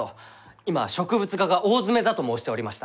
今植物画が大詰めだと申しておりました。